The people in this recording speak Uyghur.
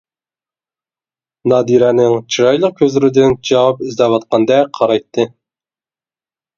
نادىرەنىڭ چىرايلىق كۆزلىرىدىن جاۋاب ئىزدەۋاتقاندەك قارايتتى.